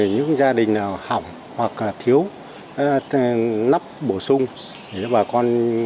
những gia đình nào